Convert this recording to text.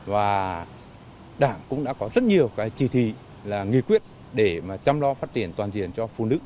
và đảng cũng đã có rất nhiều cái chỉ thị là nghị quyết để mà chăm lo phát triển toàn diện cho phụ nữ